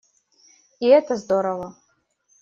И это здорово.